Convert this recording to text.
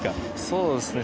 そうですね。